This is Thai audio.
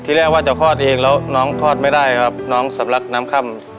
แรกว่าจะคลอดเองแล้วน้องคลอดไม่ได้ครับน้องสำลักน้ำค่ำ